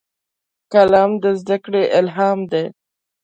قلم د زدهکړې الهام دی